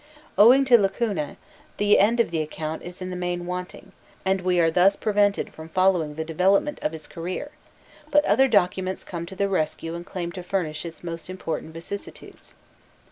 Owing to lacunae, the end of the account is in the main wanting, and we are thus prevented from following the development of his career, but other documents come to the rescue and claim to furnish its most important vicissitudes.